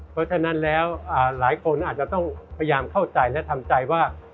เพราะฉะนั้นแล้วหลายคนอาจจะต้องพยายามเข้าใจและทำใจว่า